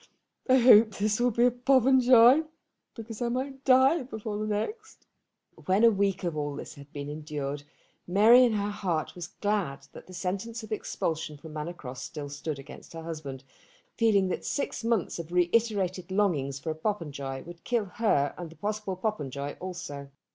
I hope this will be a Popenjoy, because I might die before the next." When a week of all this had been endured Mary in her heart was glad that the sentence of expulsion from Manor Cross still stood against her husband, feeling that six months of reiterated longings for a Popenjoy would kill her and the possible Popenjoy also.